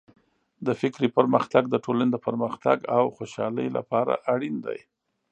د فکري پرمختګ د ټولنې د پرمختګ او خوشحالۍ لپاره اړین دی.